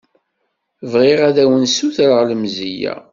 Bɣiɣ ad awen-ssutreɣ lemzeyya.